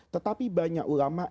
tetapi banyak ulama